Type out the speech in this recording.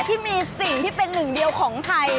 ที่มีสิ่งที่เป็นหนึ่งเดียวของไทย